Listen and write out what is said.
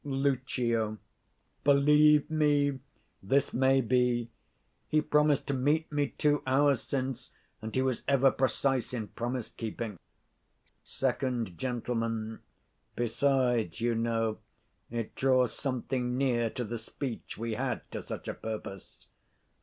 Lucio. Believe me, this may be: he promised to meet 70 me two hours since, and he was ever precise in promise keeping. Sec. Gent. Besides, you know, it draws something near to the speech we had to such a purpose.